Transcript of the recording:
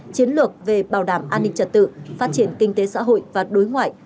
chiến lược về bảo đảm an ninh trật tự phát triển kinh tế xã hội và đối ngoại